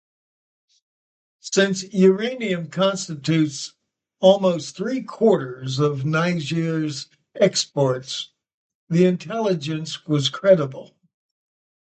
Since uranium constitutes almost three-quarters of Niger's exports, the intelligence was credible.